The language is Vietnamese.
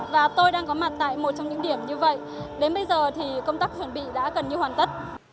và tôi đang có mặt tại một trong những điểm như vậy đến bây giờ thì công tác chuẩn bị đã gần như hoàn tất